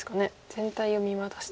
全体を見渡して。